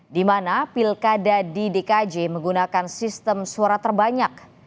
di mana pilkada di dkj menggunakan sistem suara terbanyak